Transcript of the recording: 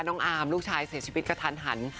น้องอามลูกชายเสียชีวิตกระทัน